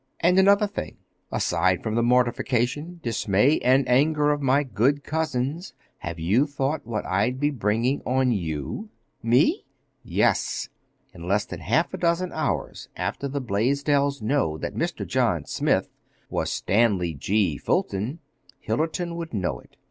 And another thing—aside from the mortification, dismay, and anger of my good cousins, have you thought what I'd be bringing on you?" "Me!" "Yes. In less than half a dozen hours after the Blaisdells knew that Mr. John Smith was Stanley G. Fulton, Hillerton would know it.